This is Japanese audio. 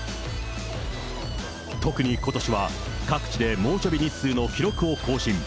特にことしは、各地で猛暑日日数の記録を更新。